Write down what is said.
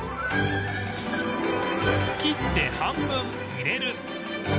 切って半分入れる